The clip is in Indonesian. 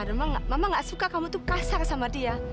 dan mama gak suka kamu tuh kasar sama dia